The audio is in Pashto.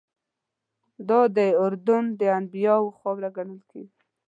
دادی اردن د انبیاوو خاوره ګڼل کېږي.